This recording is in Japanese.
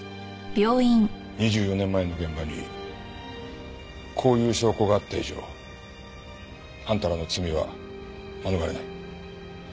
２４年前の現場にこういう証拠があった以上あんたらの罪は免れない。